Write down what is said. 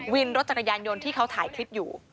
วินรถจักรยานยนต์ที่เขาถ่ายคลิปอยู่